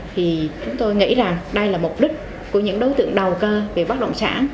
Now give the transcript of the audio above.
thì chúng tôi nghĩ rằng đây là mục đích của những đối tượng đầu cơ về bất động sản